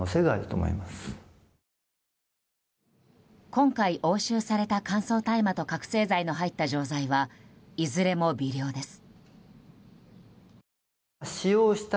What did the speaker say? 今回、押収された乾燥大麻と覚醒剤の入った錠剤はいずれも微量です。